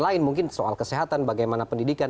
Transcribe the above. lain mungkin soal kesehatan bagaimana pendidikan